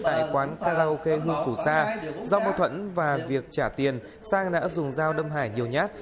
tại quán karaoke hưng phủ sa do mâu thuẫn và việc trả tiền sang đã dùng dao đâm hải nhiều nhát